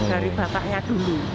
dari bapaknya dulu